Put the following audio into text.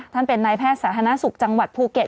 ท่านเป็นนายแพทย์สาธารณสุขจังหวัดภูเก็ต